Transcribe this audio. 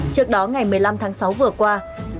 trước đó ngày một mươi năm tháng sáu vượt